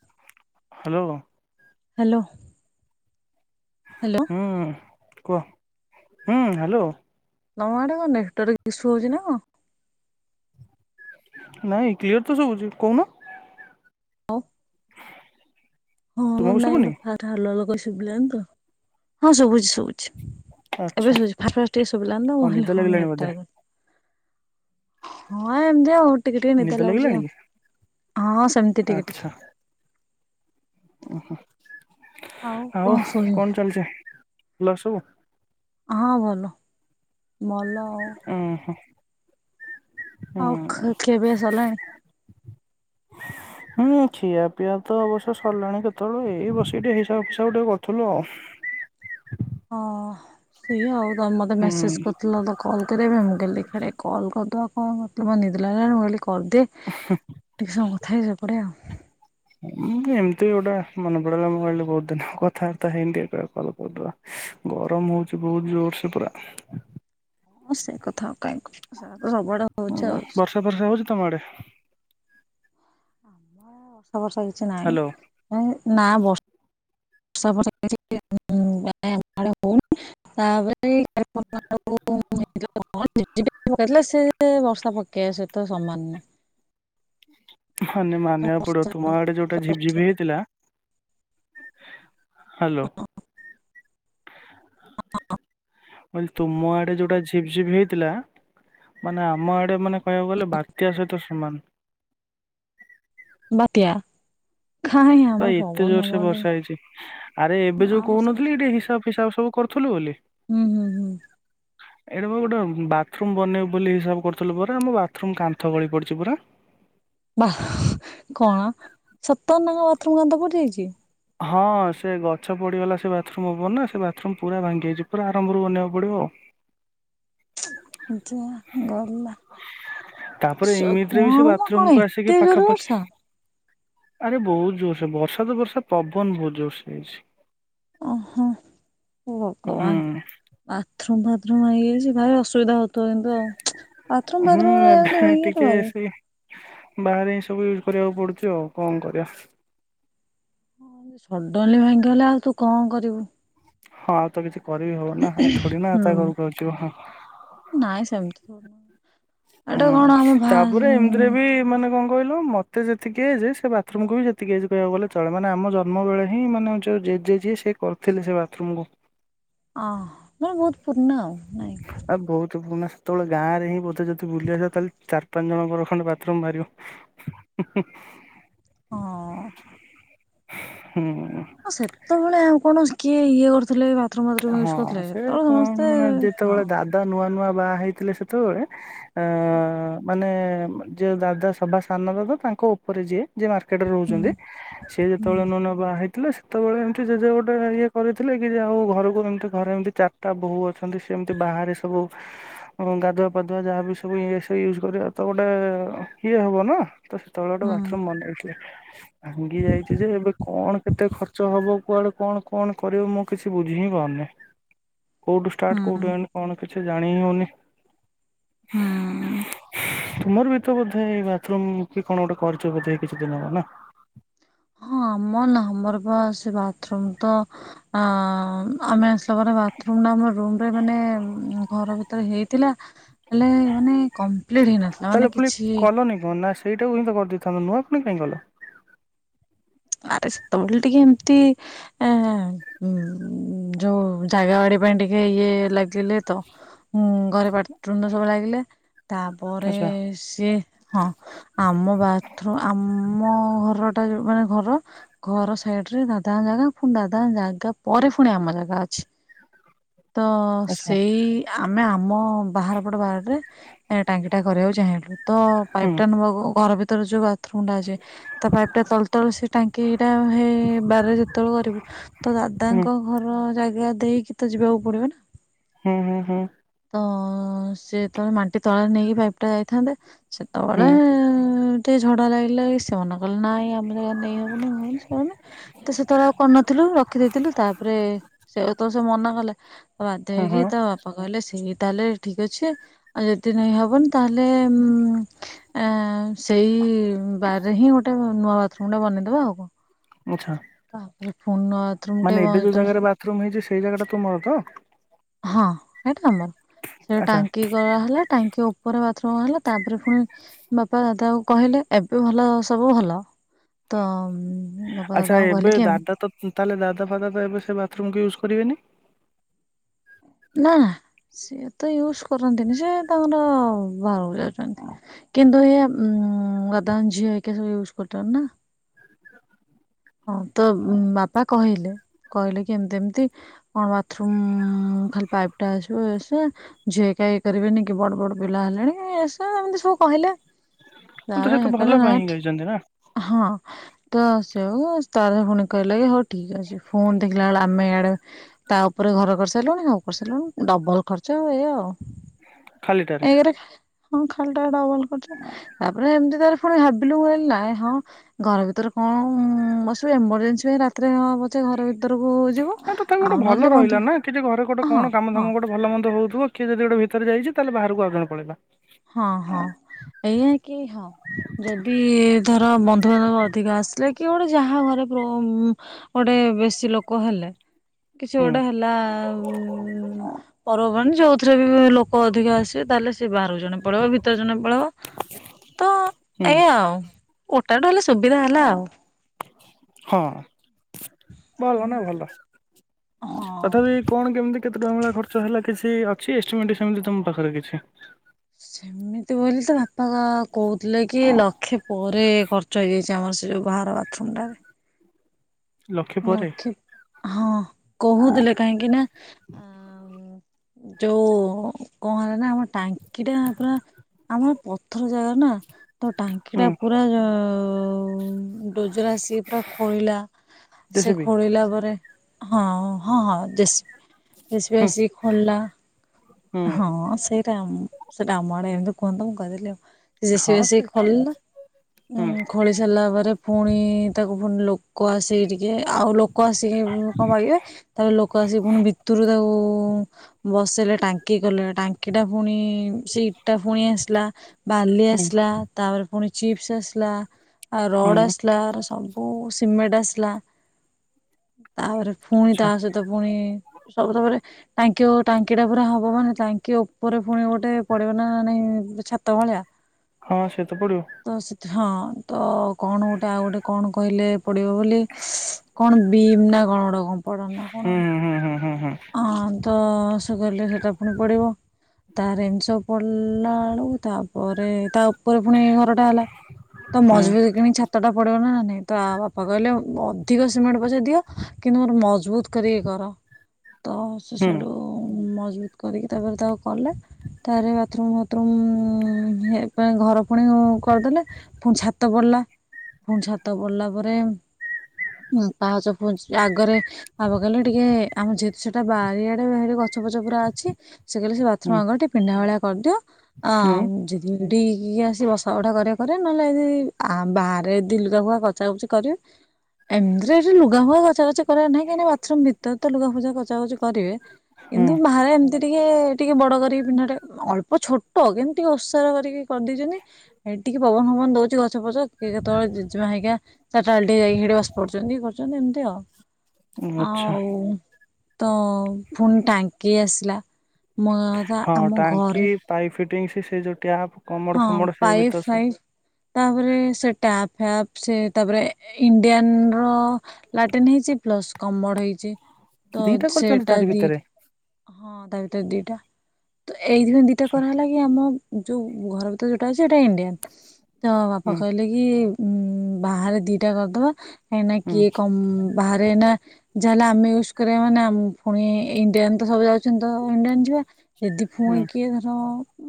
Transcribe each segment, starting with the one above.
[inaudible] Hello hello ହୁଁ। କୁହ ହୁଁ ହାଲୋ ତମ ଆଡେ କଣ ନେଟାର୍ ସୁବୁଛି ନା କଣ ନାଇଁ କ୍ଲିୟର ତ ସବୁଛି କହୁନ [inaudible] ହଁ ତୁମକୁ ନାଇଁ ଶୁଭୁନି [unintelligible] ଶୁଭିଲ ତ ହଁ ଶୁଭୁଛି ଶୁବୁ ଏବେ ଆଚ୍ଛା ଶୁୁବୁଚି ଫାଷ୍ଟ ଫାଷ୍ଟ ଟିକେ ଶୁିବିଲାନି ତ କଣ ମୁଁ ନିଦ ଲାଗିଲାଣି ବୋଧେ [unintelligible] ହଁ ଏମତି ଆଉ ଟିକେ ଟିକେ ନିଦ ଲାଗୁଛି ଲାଗିଲାଣି କି ହଁ ସେମିତି ଟିକେ ଟିକେ [inaudible] ଓହୋ ଆଉ କଣ ଶୋଇବି କଣ ଚାଲିଚି। ଲସୁ ହଁ ଭଲ ଭଲ ଆଉ ଉଁ ହୁଁ। ଆଉ ହୁଁ ଖିଆ ପିଆ ସରିଲାଣି [inaudible] ହୁଁ ଖିଆ ପିଆ ତ ଅବଶ୍ୟ ସରିଲାଣି କେତେବେଳଳୁ। ଏଇ ବସିକି ଟିକେ ହିସାବ ଫିସାବ ଟିକେ କରୁଥିଲୁ ଆଉ। ହଁ ସେଇଆ ଆଉ ମତେ ମେସେଜ ହୁଁ କରିଥିଲ ତ କଲ୍ କରବି ମୁଁ କହିଲି ଦେଖିଆ କଲ୍ କରିଦବା କଣ ମତ ନିଦ ନାଗିଲାଣି ମୁଁ କରିଦେ ଟିକେ ସମୟ କଥା ହେଇ ସୋଇପଡିବା ଆଉ ଏମିତି ଗୋଟେ ମନେ ପଡଲା ମୁଁ କହିଲି ବହୁତ ଦିନ କଥାବାର୍ତ୍ତା ହେଇି କଲ କରିଦବା। ଗରମ ହଉଛି ବହୁତ ଜୋରସ ପୁରା ହଁ ସେ କଥା ଆଉ କାହିଁ କହି ସେୟା ତ ସବୁଆଡେ ହଉଛି ଆଉ ବର୍ଷା ଫର୍ଷା ହଉଛି ତମ ଆଡେ ଆମ [inaudible] ଏ ବର୍ଷ କିଛି ହ୍ୟାଲୋ ନାହିଁ ନା ବସ ବର୍ଷାଡ ହଉନି ତାପରେେଇ [unintelligible] ସେ ବର୍ଷା ପକେଇବା ସହିତ ସମାନ ନୁହଁ ମାନେ ମାନିବାକୁ ପଡିବ ତୁମ ଆଡେ ଯୋଉଟା ଝିପଝିପି ହେଇଥିଲା ହାଲୋ। କହିଲି ତୁମ ଆଡେ ଯୋଉଟା ଝିପ୍ ଝିପ୍ ହେଇଥିଲା ମାନେ ଆମ ଆଡେ ମାନେ କହିବାକୁ ଗଲେ ବାତ୍ୟା ସହିତ ସ ସମାନ ବାତ୍ୟା। ଭ କାହିଁ [unintelligible] ଆମର ଏତେ ପବନ ଜୋର ସେ ଫବନ ବର୍ଷା ଟିକେ ହେଇଛି ଆରେ ଏବେ ନା ଯୋଉ ବର୍ଷା ବର୍ଷା କହୁନଥିଲି ଟିକେ ହିସାବ ଫିସାବ ସବୁ କରୁଥିଲୁ ବୋଲି। ହୁଁ ହୁଁ ହୁଁ ଏଇଟା ମୁ ଗୋଟେ ବାଥରୁମ୍ ବନେଇବୁ ବୋଲି ହିସାବ କରୁଥିଲୁ ପରା ଆମ ବାଥରୁମ କାନ୍ଥ ଗଳି ପଡ଼ିଛି ପୁରା ବା କଣ ସତର୍ ତାଙ୍କ ବାଥରୁମ କାନ୍ତ ପଡିଯାଇଛି ହଁ ସେ ଗଛ ପଡିଗଲା ସେ ବାଥରୁମ ଉପରେ ନା ସେ ବାଥରୁମ୍ ପୁରା ଭାଙ୍ଗି ଯାଇଛି ପୁରା ଆରମ୍ଭରୁ ବନେଇବାକୁ ପଡିବ ଆଉ ଯା ଗଲା ତାପରେ ସ ଏମିତିରେ ବି ସେ କଣ ମ ବାଥରୁମ କଣ କୁ ଆସିକି ଏତେ ଜୋର ପାଖାପାଖି ବର୍ଷା ଆରେ ବହୁତ ଜୋରସେ ବର୍ଷା ତ ବର୍ଷା ପବନ ବହୁତ୍ ଯୋର୍ ସେ ହେଇଛି। ଓହୋ ଭଗବାନ ହୁଁ ବାଥରୁମ ବା ପ୍ର [unintelligible] ହେଇଯାଇଛି ଭାରି ଅସୁବିଧା ହଉଥିବ କିନ୍ତୁ ଆଉ ବାଥ୍ ରୁମ୍ ହୁଁ ବାଥ୍ ରୁମ୍ ରେ ଏବେ ଏମିତି ଭାଙ୍ଗି ଲେ କଣ ଟିକେ କରିବ ସେ ବାହାରେ ହିଁ ସବୁ ୟୁଜ୍ କରିବାକୁ ପଡୁଛି ଆଉ କଣ କରିବା ହଁ ସଡନ୍ ଲି ଭାଙ୍ଗିଗଲା ଆଉ ତୁ କଣ କରିବୁ ହଁ ତ କିଛି କରିବି ହବନି ନା ଆଉ ଥୋଡି ନା ତା ହୁଁ ଘରକୁ [unintelligible] ହଁ ଧଣ [inaudible] ହୁଁ ତାପରେ ଏମିତିରେ ବି ମାନେ କଣ କହିଲ ମ ଏତେ ଯେତିକି ଏଯେ ସେ ବାଥରୁମକୁ ବି ଯେତିକି ଏଯେ କହିବାକୁ ଗଲେ ଚଳିଵ ମାନେ ଆମ ଜନ୍ମ ବେଳେ ହିଁ ମାନେ ଯୋଉ ଜେଜେ ଯିଏ ସେ କରିଥିଲେ ସେ ବାଥରୁମ କୁୁ ଅ ମର [unintelligible] ବହୁତ ପୁରୁଣା ଆଉ ନାଇଁ ଆ ବହୁତ ପୁରୁଣା ସେତେବେଳେ ଗାଁ ରେ ହିଁ ବୋଧେ ଯଦି ବୁଲି ଆସିବା ତାହେଲେ ଚାର ପାଞ୍ଚ ଜଣଙ୍କର ଖଣ୍ଡେ ବାଥରୁମ ଵାହାରିବ ହୁଁ ହୁଁ ହଁ ହୁଁ। ହଁ ସେତେବେଳେ ଆଉ କୌଣ କିଏ ଇଏ କରୁଥିଲେ ବାଥରୁମ ଫାଥରୁମ ୟୁଜ ହଁ କରୁଥିଲେ ସେ ସେତେବେଳେ କଣ ସମସ୍ତେ ମାନେ ହଁ ଯେତେବେଳେ ଦାଦା ନୂଆ ନୂଆ ବା ହେଇଥିଲେ ସେତୁରେ ଅ ହଁ ମାନେ ଯୋଉ ଦାଦା ସଭା ସ୍ଥାନର ତ ତାଙ୍କ ଉପରେ ଯିଏ ଯ ମାର୍କେଟ ରେ ହୁଁ ରହୁଛନ୍ତି ସେି ଯେତେବେଳେ ନ ନବା ଥିଲେ ସେତେବେଳେ ଏମିତି ଜେଜେ ଗୋଟେ ଇଏ କରିଥିଲେ କି ଆଉ ଘର ଏମିତି ଘରେ ଏମତି ଚାରିଟା ବୋଉ ଅଛନ୍ତି ସେ ଏମିତି ବାହାରେ ସବୁ ଗାଧୁଆ ପାାଧୁଆ ଯାହାବି ସବୁ ସବୁ ୟୁଜ କରିବା ତ ଗୋଟେ ଇଏ ହବ ନା ତ ସେତେବେଳେ ଗୋଟେ ହୁଁ ବାଥରୁମ ବନ୍ଦ ହେଇଥିଲେ। ଭାଙ୍ଗି ଯାଇଛି ଯେ ଏବେ କଣ କେତେ ଖର୍ଚ୍ଚ ହବ କୁଆଡେ କଣ କଣ କରିବ ମୁଁ କିଛି ବୁଝି ହିଁବ ଆ େ କୋଉଠୁ ହୁଁ ଷ୍ଟାର୍ଟ ହୁଁ କଉଠ ଆଣି କଣ ଆଛ ଜାଣି ଓନି ହଁ ତୁମର ବି ତ ବୋଧେ ଏଇ ବାଥମ କି କଣ ଗୋଟେ କରିଚ ବୋଧେ କିଛି ଦିନ ହବ ନା ହଁ ଆମର ନା ଆମର ବା ସେ ବାଥରୁମ ତ ଅ ଆମେ ଆସିଲା ପରେ ବାଥମ ଆମ ରମରେ ମାନେ ଘର ଭିତରେ ହେଇଥିଲା ହେଲେ ମାନେ କମ୍ପ୍ଲିଟ ହେଇନଥିଲା ତାହେଲେ ମାନେ ପୁଣି କିଛି କଲନି କଣ ନା ସେଇଟାକୁ ତ କରିଦେଇଥାନ୍ତ ନୂଆ ପୁଣି କାହିଁ ଗଲ ଆରେ ସେତେବେଳେ ଟିକେ ଏମତି ଉ ଯୋଉ ଜାଗା ବାଡି ପାଇଁ ଟିକେ ଇଏ ଲାଗ ଗଲେ ତ ଘରେ ବାୁଣ୍ଡ ସବୁ ଲାଗିଲେ ତାପରେ ଆଚ୍ଛା ସିଏ ହଁ ଆମ ବାଥରୁମ ଆମ ଘର ଟା ଯୋଉ ମାନେ ଘର ଘର ସାଇଡ ରେ ଦାଦାଙ୍କ ଜାଗା ପୁଣି ଦାଦା ଜାଗା ପରେ ପୁଣି ଆମ ଜାଗା ଅଛି। ତ ଆଚ୍ଛା ସେଇ। ଆମେ ଆମ। ବାହାର ପଟେ ବାହାରରେ ଟାଙ୍କି ଟା କରିବାକୁ ଚାହିଁଥିଲୁ ତ ହୁଁ ପାଇପ୍ ଟା ନ ଘର ଭିତ ଉର ଯୁଗ। ା ତା ପାଇପ ଟା। ସେ ଟାଙ୍କି ଟା ହେ ବାରେ ଯେତେବେ କରିବୁ ତ ହୁଁ ଦାଦାଙ୍କ ଘର ଜାଗା ଦେଇକି ତ ଯ କୁ ପଡିବ ନା ହୁଁ ହୁଁ ହୁଁ। ଅ ସେତଳେ ମାଟି ତଳୋରେ ନେଇକି ପାଇପ୍ ଟା ଯାଇଥାନ୍ତେ। ସେତେବେଳେ। ହୁଁ ଏତେ ଝଡା ଲାଗିଲା ସେ ମନ କଲେ ନା ଜା ନେଇ ହବ ନ ହବନି ସେନି ତ ସେତେବେଳେ ଆଉ କରିନଥିଲୁ ରଖିଦେଇଥିଲୁ ତାପରେ ସେ ସେ ମନା କଲେ। ବାଧ୍ୟ ହଁ ହେଇକି ହଁ ତ ବାପ କହିଲେ ସେଇ ତାହେଲେ ଠିକ୍ ଅଛି ଆଉ ଯଦି ନହବନି ତାହେଲେ ସେଇ ବାରରେ ହିଁ ଗୋଟେ ମ ଗୋଟେ ବନେଇ ଦବା ଆଉ କଣ। ଆଚ୍ଛା ତାପରେ ପୁଣି ନୂଆ ବାଥରୁମ ଟେ ମାନେ ଏବେ ଯୋଉ ଯେତେବେଳେ ଜାଗାରେ ବାଥରୁମ ହେଇଛି ସେଇ ଜାଗାଟା ତୁମର ତ? ହଁ ସେଇଟା ଆମର ସେ ଆଚ୍ଛା ଟାଙ୍କି ହେଲା ଟାଙ୍କି ଉପରେ ବାଥରୁମ ହେଲା ତାପରେ ପୁଣି ବାପା ଦାଦକୁ କହିଲେ ଏବେ ଭଲ ସବୁ ଭଲ ତ ବାପା ଆଚ୍ଛା ଦାଦାଙ୍କୁ କହିଲେ ଏବେ କି ଏମ ଦାଦା ତ ତାହେଲେ ଦାଦା ଫାଦା ତ ଏବେ ସେ ବାଥରୁମକୁ ୟୁଜ୍ କରିବେନି? ନା ନା ସିଏ ତ ୟୁଜ କରନ୍ତିନି ସେ ତାଙ୍କର ବାହାରକୁ ଯାଉଛନ୍ତି କିନ୍ତୁ ଏଇଆ ଦାଦାଙ୍କ ଝିଅ ହେରିକା ସବୁ ୟୁଜ କରୁଛନ୍ତି ନା ହଁ ତ ବାପା କହିଲେ କହିଲେ କି ଏମତି ଏମିତି କଣ ବାଥରୁମ୍ ଖାଲି ପାଇପ ଟା ଆସିବ ଇଏ ସିଏ ଝିଆ ହେରିକା ଇଏ କରିବେନି କି ବଡ ବଡ ପିଲା ହେଲେଣି ଇଏ ସିଏ ଏମତି ସବୁ କହିଲେ ହଁ ତା ତ ସେ ତ ଏ କ ଭଲ ନା ପାଇଁ ହିଁ ଯାଇଛନ୍ତି ନା ହଁ ଦଶ ଆଉ ତାର ପୁଣି କହିଲେ କି ଠିକ୍ ଅଛି ଫୋନ୍ ଦେଖିଲା ବେଳେ ଆମେ ଆଡେ ତା ଉପରେ ଘର କରିସାରିଲୁଣି ହଉ କରିସାରିଲୁଣି ଡବଲ ଖର୍ଚ୍ଚ ଇଏ ଆଉ। ଖାଲିଟାରେ। ଏକରେ ହଁ ଖାଲିଟାରେ ଡବଲ ଖର୍ଚ୍ଚ ତାପରେ ଏମିତି ତରେ ପୁଣି ଭାବିଲୁ ହେ ନାଁ ହଁ ଘର ଭିତରେ କଣ ହୁଁ ବସବୁ ଏମୋରଜେନ୍ସି ପାଇଁ ରାତିରେ ପଛେ ଘର ଭିତରକୁ ଯିବୁ ନା ତ ତାଙ୍କୁ ଗୋଟେ ଆଉ ଭଲ ନହେଲେ ବନ୍ଧୁ ରହିଲା କିଛି ଘରେ ଗୋଟେ ହଁ କଣ କାମ ହଁ ଧାମ ଗୋଟେ ଭଲ ମନ୍ଦ ହଉ ତୁବ କିଏ ଯଦି ଗୋଟେ ଭିତରେ ଯାଇଛି ତାହେଲେ ବାହାରକୁ ଆଉ ଜଣେ ପଳେଇଲା ହଁ ହଁ ଏଇଆା କି ହଁ ଯଦି ଧର ବନ୍ଧୁବାନ୍ଧବ ଅଧିକ ଆସିଲେ କି ଗୋଟେ ଯାହା ଘରେ ଗୋଟେ ଗୋଟେ ବେଶୀ ଲୋକ ହେଲେ କିଛି ହୁଁ ଗୋଟେ ହେଲା ଉ ପର୍ବବାଣି ଯୋଉଥିରେ ବି ଲୋକ ଅଧିକ ଆସିବେ ତାହେଲେ ସେ ବାହାରୁ ଜଣେ ପଳେଇବ ଭିତରେ ଜଣେ ପଳେଇବ ତ ହୁଁ ଏଇଆ ଆଉ ଓଟାଠୁ ହେଲେ ସୁବିଧା ହେଲା ଆଉ ହଁ ଭଲ ନା ଭଲ ହଁ ତଥାପି କଣ କେମିତି କେତେ ଟଙ୍କା ଭଳିଆ ଖର୍ଚ୍ଚ ହେଲା କିଛି ଅଛି ଏଷ୍ଟେମଡିସନ ଯେ ତମ ପାଖରେ କିଛି? ଏମିତି ବୋଲିତ ବାପା କହୁଥିଲେ କି ଲକ୍ଷେ ପରେ ଖର୍ଚ୍ଚ ହେଇଯାଇଛି ଆମର ସେ ଯୋଉ ବାହାର ବାଥରୁମଟାରେ। ଲକ୍ଷେ ହଁ କହୁଥିଲେ କାହିଁକି ନା ଯୋଉ କଣ ହେଲା ନା ଆମ ଟାଙ୍କ କିିଟା ପୁରା ଆମର ପ ର ଜାଗା ନା ତ ଟାଙ୍କି ହୁଁ ଟା ପୁରା ଆ ଡୋଜରା ସିଏ ପୁରା ଖୋଳିଲା ସେ ଜେସିବି ଖୋଳିଲା ପରେ ହଁ ହଁ ହଁ ଜେସ୍ ଜେସିବି ହୁଁ ଆସ ଖୋଲିଲା ହୁଁ ହଁ ସେଇଟା ସେଇଟା ଆମ ଆଡେ ଏମି ଦେ କୁହନ୍ତି ତ ମୁଁ କହିଦେଲି ଆଉ ସେ ଯେସିବି ଆସିକି ଖଳିଲା ଉଁ ହୁଁ ଖଳି ସାରିଲା ପରେ ପୁଣି ତାକୁ ପୁଣି ଲ କୁଆସିଇ ଟଏ ଆଉ ଲୋକ ଆସିକି କଣ ପାଇବେ ତାପରେ ଲୋକ ଆସିକି ପୁଣି ଭିତରୁ ତାକୁ ହୁଁ, ବସେଇଲେ ଟାଙ୍କି କଲେ ଟାଙ୍କି ଟା ପୁଣି ସେ ଇ ଟା ପୁଣି ଆସିଲା। ବାଲି ହୁଁ ଆସିଲା ତାପର ପୁଣି ଚିପ୍ସ ଆସିଲା। ଆଉ ରଡ ହୁଁ ଆସଲା, ମାନ୍ ସବୁ କଉ ସିମେଣ୍ଟ୍ ଆସିଲା? ତାପରେ, ପୁଣି ଆଛା ତା ସହିତ ପୁଣି ସବୁ ସବୁ ଟାଙ୍କି ଟାଙ୍କି ଟା ପୁରା ହାବ ମା ଟାଙ୍କି ଉପରେ ପୁଣି ଗୋଟେ ପଡିବ ନା ନାଇ ଯୋ ଛାତ ବଳିଆ ହଁ ସେ ତ ପଡିବ। ତ କଣ ଗୋଟେ ଆଉ ଗଟେ କଣ କହିଲେ ପଡିବ ବୋଲି? କଣ ବିମ୍ ନା କଣ [unintelligible] ନା କଣ? ହୁଁ ହୁଁ ହୁଁ ହୁଁ ହଁ ତ ସେ କରିଲେ ସେଟା ପୁଣି ପଡିବ। ତା ରିମ ସହ ପଲା ଣୁ ତାପରେ ତା ଉ ଉପରେ ପୁଣି ଏ ଘରଟା ହେଲା, ତ ହୁଁ ମଜବୁତ କେମତି ଛାତଟା ପଡିବ ନା ନା ନାଇଁ, ତା ବାପା କହିଲେ ଅ ଧିକ ସିମେଣ୍ଟ ପଇସା ଦିଅ କିନ୍ତୁ ମୋ ମଜବୁତ କରିକି କର। ତ ସେ ହୁଁ ହୁଁ ସେଆଡୁ ମଜବୁତ କରିକି ତାପରେ ତାକୁ କଲେ ତାରେ ବଥରୁମ ଫଥରୁମ ଉ ଘର ପୁଣି ଉ କରିଦେଲେ ପୁଣ ଛାତ ପଡ଼ିଲା ପୁଣି ଛାତ ପଡିଲା ପରେ, ପାହାଚ ଉ ଆଗରେ ଆଗ କଲେ ଟିକେ ଆମର ଯେହେତୁ ସେଟା ବାରିଆଡେ ବାଡ଼ିରେ ଗଛ ପଛ ପୁରା ଅଛି। ସେ କଇଲେ ସେ ବାଥରୁମ୍ ହୁଁ ଆଗରେ ଟି ପିଣ୍ଢା ଭଳି କରିଦିଅ। ଆ ହୁଁ ଯିଦି ଡି ଇଏ ଆସି ବ ସ ଉଡା କରିବ କରେ ନହେଲେ ଦି ଆ ବାହାରେ ଦି ଲୁଗା ପଚା ପଚି କଚି କରିବେ, ଏମିତିରେ ବି ଲୁଗା ମୁ କଚା କଚି କରେ ନାଇଁ କ ବାଥରୁମ ଭି ତ ଲୁଗା ପୂଜା କଚା କଚି କରେ, ହୁଁ କିନ୍ତୁ ବାହାରେ ଏମତି ଟିକେ ଟିକେ ବଡ କରିକି ପିଣ୍ଢା ଟେ, ଅଳ୍ପ ଛୋଟ କେମିତି ଓସାର କରିକି କରିଦେଇଚନ୍ତି, ଟିକେ ପବନ ଫବନ ଦଉଚି, ଗଛ ଫଛ କିଏ କେତେବେଳେ ଜେଜେ ମା ହେଇକା ସକାଳୁ ଟିକେ ଯାଇକି ସେଠି ବସି ପଡୁଛନ୍ତି କରୁଚନ୍ତି ଏମିତି ଆଉ। ହୁଁ ଆଚ୍ଛା ଆଉ। ତ ଫୁଣି ଟାଙ୍କି ଆସିଲା, ମର ଆମ ଘରେ - ଟିଙ୍ଗ ସେ ଟାପ୍ ହଁ ପାଏସାଇଜ୍ ତାପରେ ସେ ଟ୍ୟାପ ଫ୍ୟାପ ସେ ତାପରେ ଇଣ୍ଡିଆନର ଲାଟିନି ହେଇଚି ପ୍ଲସ୍ କମଡ଼ ହେଇଚି। ତ ଦିଟା କରିଛନ୍ତି ସେଟା ତାରି ଦି ଭିତରେ ହଁ ତା ଭିତରେ ଦିଟା ଏଇଥି ପାଇଁ ଦିଟା ଆଛା କରାହେଲା କି ଆମ ଯଉ ଘର ଭିତରେ ଯୋଉଟା ଅଛି ସେଇଟା ଇଣ୍ଡିଆନ୍ ତ ବାପା ହୁଁ କହିଲେ କି ଉଁ ବାହାରେ ଦିଟା କରିଦବା ହେଁନା ହୁଁ କିଏ କମ ବାହାରେ ନା। ଯାଲା ଆମେ। ୟ କରିବା ମାନେୁଣି ଇଣ୍ଡିଆ ତ ସବୁାଉ। ପର୍ଯ୍ୟ ଏଣ୍ଡ ଆଣି ଯିବା। ଯଦି ପୁଣି ହୁଁ କିଏ ଧର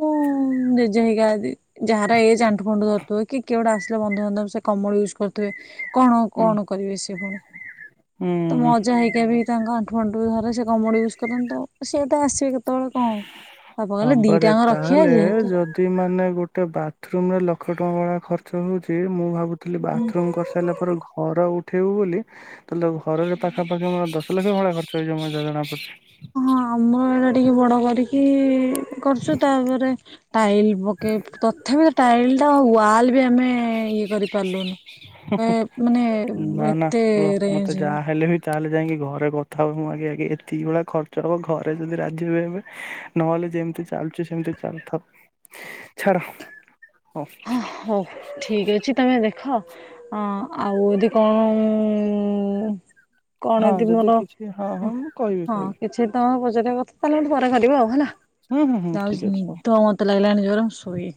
ମୁଁ। ଯାହାର ଏାଣ୍ଠୁ ଫୁଣ୍ୁ ଧରଥିବ କିଏ ଗୋଟେ ଆସିଲେ ବନ୍ଧୁବାନ୍ଧବ ସେ କମଳ ୟୁଜ୍ କରଥିବେ କଣ ହୁଁ କଣ କରିବେ ସେ ପୁଣି ତ ହୁଁ ମଜା ହେଇକି ବି ତାଙ୍କ ଆଠୁଣ୍ୁରେ ସେ କମୁ ୁଜ କରନ୍ତି ତ ସ ସେଏ ତ ଆସେ କେ ହଁବାରେ ରଖିବା ତାହେଲେ ଯେହେତୁ ଯଦି ମାନେ। ଗୋଟେ ବାଥରୁମ ରେ ଲକ୍ଷ ଟଙ୍କା ଭଳିଆ ଖର୍ଚ୍ଚ ହଉଛି ମୁଁ ଭାବୁ। ଥିଲ ହଁ ବାଥରୁମ କରିସାରିଲା ପରେ ଘର ଉଠ। ଠଉ ବୋଲି। ତା ଘରରେ ପାଖା ପାାଖି ମର। ତାଲେ ଭଳି ଖର୍୍ଚ ଜମା ଜଣା ପଡ଼ଛି। କି କରୁଛୁ ତାପରେ। ଟାଇଲ ପକେ ତଥାପି ତ ପଟା ୱାଲ ଆମେ ଇଏ କରିପାରିଲୁନି ମାନେ ନା ନା ଏତେ ରୁହ ମତେ ରେଞ୍ଜ ଯାହା ହେଲେ ବି ତାହେଲେ ଯାଇକି ଘରେ କଥା ହବ ମୁଁ ଆଗେ ଆେ ଏତିକି ଭଳିଆ ଖର୍ଚ୍ଚ ହବ ଘରେ ଯଦି ରାଜି ବି ହେବେ ନହେଲେ ଯେମିତି ଚାଲଚ ସେମିତି ଚାଲିଥାଉ ଛାଡ ହ ଠିକ ଅଛି ତମେ ଦେଖ ଦେଖ ଆଉ ଯଦି କଣ କଣ ହଁ ଏଦି ଯଦି ମୋର କିଛି ହଁ ମୁଁ କହିବି ହଁ କହିବି କିଛି ତମ ହବ। ଯ କଥା ତାହେଲେ ପରେ କରିବ ଆଉ ହେଲା। ହୁଁ ହୁଁ ହୁଁ ତାଉ ଠିକ ଅଛି ହଉ ନିଦ ମତେ ଲାଗିଲଣିି ଜୋର ଶୋଇ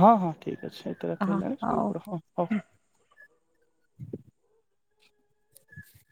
ହଁ ହଁ ଠିକ ଅଛି ଏତେ ରାତି ହେଲାଣି ଶୋଇପଡ ହଁ ହଉ। [inaudible]